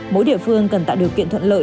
mỗi địa phương cần tạo điều kiện thuận lợi